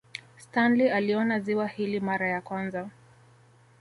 Stanley aliona ziwa hili mara ya kwanza